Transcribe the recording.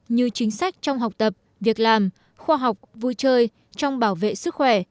như chính sách trong học tập việc làm khoa học vui chơi trong bảo vệ sức khỏe